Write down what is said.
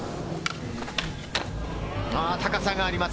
高さがあります。